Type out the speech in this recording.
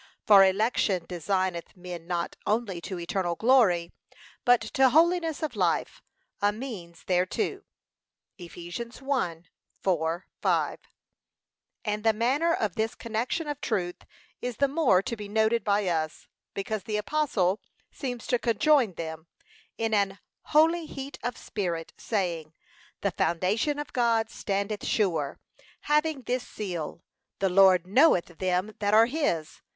For election designeth men not only to eternal glory, but to holiness of life, a means, thereto. (Eph. 1:4, 5) And the manner of this connection of truth is the more to be noted by us, because the apostle seems to conjoin them, in an holy heat of spirit, saying, 'The foundation of God standeth sure, having this seal, The Lord knoweth them that are his.'